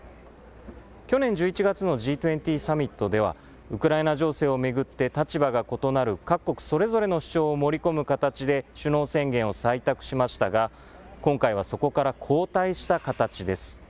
去年１１月のＧ２０サミットでは、ウクライナ情勢を巡って立場が異なる各国それぞれの主張を盛り込む形で、首脳宣言を採択しましたが、今回はそこから後退した形です。